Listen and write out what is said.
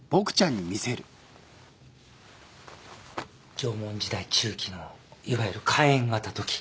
縄文時代中期のいわゆる火焔型土器。